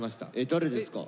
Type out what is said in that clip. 誰ですか？